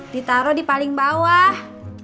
ditaruh di paling bawah